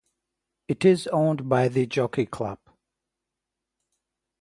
It is owned by the Jockey Club.